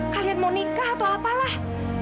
kalian mau nikah atau apalah